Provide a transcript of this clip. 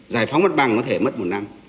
giải phóng mất bằng có thể mất một năm